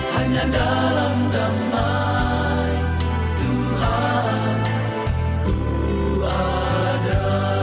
hanya dalam teman tuhan ku ada